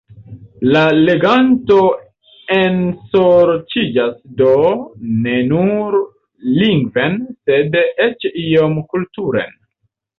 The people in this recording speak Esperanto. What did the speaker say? La leganto ensorĉiĝas do ne nur lingven, sed eĉ iom kulturen.